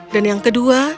dan yang kedua